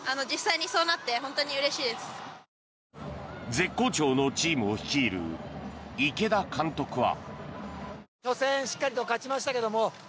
絶好調のチームを率いる池田監督は。